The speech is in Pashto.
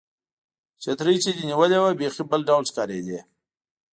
چترۍ چې دې نیولې وه، بیخي بل ډول ښکارېدې.